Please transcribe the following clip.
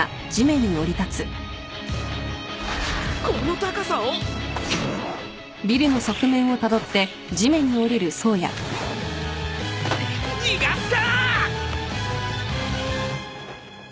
この高さを！？逃がすか！